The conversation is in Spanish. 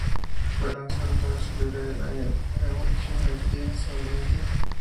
Fue lanzado para celebrar el Año Nuevo Chino y el Día de San Valentín.